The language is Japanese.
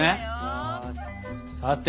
さて。